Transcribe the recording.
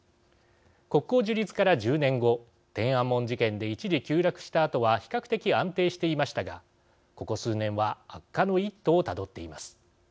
国交樹立から１０年後天安門事件で一時急落したあとは比較的安定していましたがここ数年は悪化の一途をたどっています。